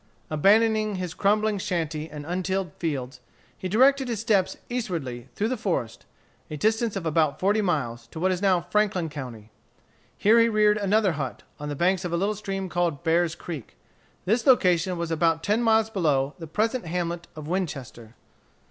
Abandoning his crumbling shanty and untilled fields, he directed his steps eastwardly through the forest, a distance of about forty miles, to what is now Franklin County. Here he reared another hut, on the banks of a little stream called Bear's Creek. This location was about ten miles below the present hamlet of Winchester.